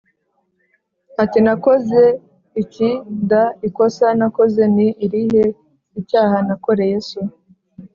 ati nakoze iki d Ikosa nakoze ni irihe Icyaha nakoreye so